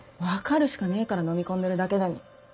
分かるしかねぇから飲み込んでるだけだに。